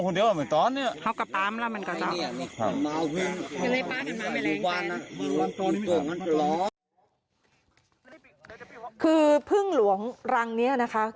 คือพึ่งหลวงรังนี้นะคะ